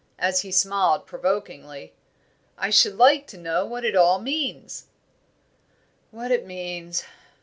as he smiled, provokingly; "I should like to know what it all means." "What it means.